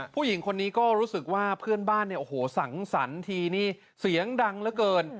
ผู้หญิงคนนี้ก็รู้สึกว่าเพื่อนบ้านเนี่ยโอ้โหสังสรรค์ทีนี่เสียงดังเหลือเกิน